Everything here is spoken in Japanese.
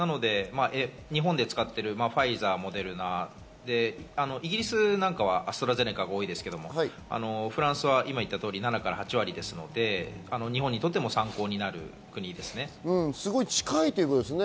日本で使っているファイザー、モデルナ、イギリスなんかはアストラゼネカが多いですけれども、フランスは７８割ですので、日本にとっても参考になる国ですね。